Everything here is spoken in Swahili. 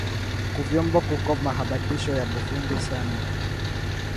Ku vyombo kuko mahadibisho ya bufundi sana